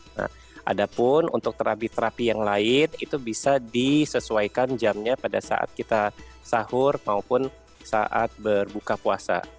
nah ada pun untuk terapi terapi yang lain itu bisa disesuaikan jamnya pada saat kita sahur maupun saat berbuka puasa